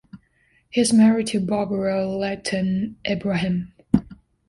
He is married to Barbara Lethem Ibrahim.